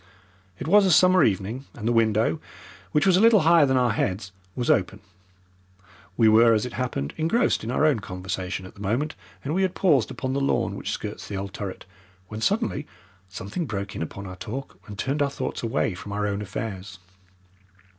It was a summer evening, and the window, which was a little higher than our heads, was open. We were, as it happened, engrossed in our own conversation at the moment and we had paused upon the lawn which skirts the old turret, when suddenly something broke in upon our talk and turned our thoughts away from our own affairs.